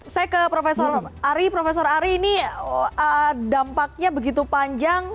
saya ke prof ari prof ari ini dampaknya begitu panjang